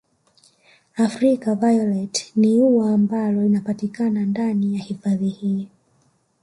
African violet ni ua ambalo linapatikana ndani ya hifadhi hii